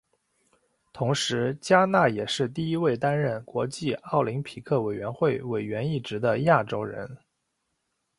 同时嘉纳也是第一位担任国际奥林匹克委员会委员一职的亚洲人。